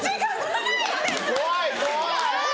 怖い怖い！